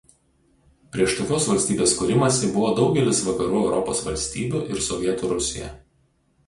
Prieš tokios valstybės kūrimąsi buvo daugelis Vakarų Europos valstybių ir Sovietų Rusija.